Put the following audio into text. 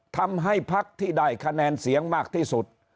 ทำให้ภักดิ์ที่ได้คะแนนเสียงมากที่สุด